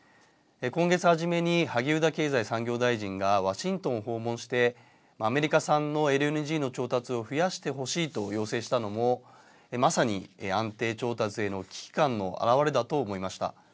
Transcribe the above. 今月初めに萩生田経済産業大臣がワシントンを訪問してアメリカ産のＬＮＧの調達を増やしてほしいと要請したのもまさに安定調達への危機感の表れだと思いました。